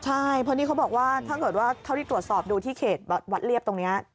ใช่เพราะนี่เขาบอกว่าถ้าเกิดว่าเท่าที่ตรวจสอบดูที่เขตวัดเรียบตรงนี้